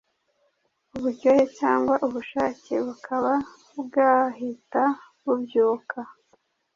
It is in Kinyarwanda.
uburyohe cyangwa ubushake bukaba bwahita bubyuka